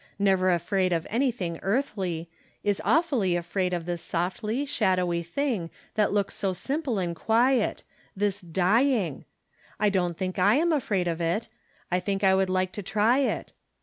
— never afraid of anything earthly — is awfully afraid of this softly, shadowy thing, that looks so simple and quiet — this dying ! I don't think I am afraid of it. I think I would like to try it.